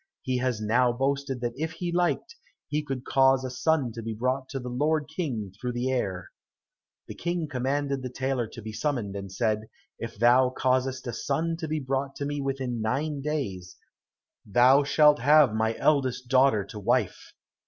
He has now boasted that if he liked, he could cause a son to be brought to the Lord king through the air." The King commanded the tailor to be summoned, and said, "If thou causest a son to be brought to me within nine days, thou shalt have my eldest daughter to wife."